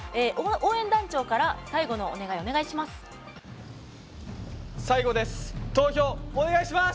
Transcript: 応援団長から最後のお願い、お願いします。